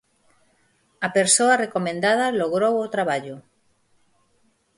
A persoa recomendada logrou o traballo.